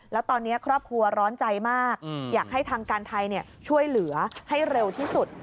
แล้วตอนนี้ครอบครัวร้อนใจมากอยากให้ทางการไทยช่วยเหลือให้เร็วที่สุด